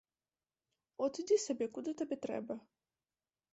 От, ідзі сабе, куды табе трэба.